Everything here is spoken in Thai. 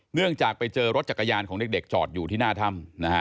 เนื่องจากไปเจอรถจักรยานของเด็กจอดอยู่ที่หน้าถ้ำนะฮะ